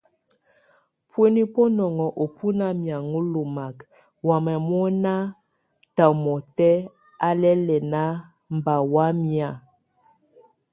Búini bonɔŋ o bʼ ó na miaŋólomak, wamía mona ʼta ʼmɔtɛ a lɛ lɛna mba wamía.